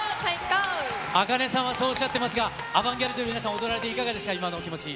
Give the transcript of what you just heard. ａｋａｎｅさんはそうおっしゃってますが、アバンギャルディの皆さん、踊られていかがでしたか、お気持ち。